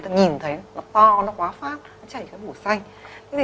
ta nhìn thấy nó to nó quá phát nó chảy cái bụi xanh